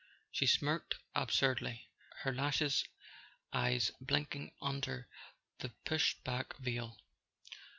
.." She smirked ab¬ surdly, her lashless eyes blinking under the pushed back veil.